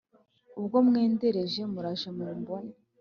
ubwo mwendereje muraje mumbone